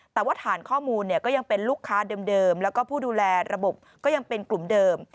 แต่ว่าฐานข้อมูลเนี่ยก็ยังเป็นลูกค้าเดิมแล้วก็ผู้ดูแลระบบก็ยังเป็นกลุ่มเดิม